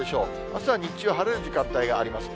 あすは日中、晴れる時間帯があります。